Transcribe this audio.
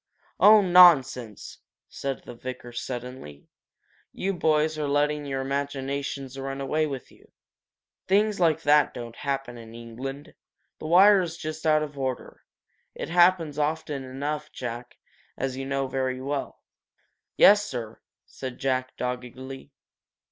"Oh, nonsense!" said the vicar, suddenly. "You boys are letting your imaginations run away with you. Things like that don't happen in England. The wire is just out of order. It happens often enough, Jack, as you know very well!" "Yes, sir," said Jack, doggedly.